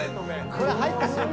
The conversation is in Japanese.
これ入った瞬間